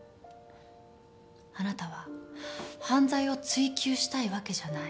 あなたは犯罪を追及したいわけじゃない。